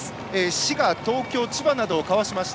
滋賀、東京、千葉などをかわしました。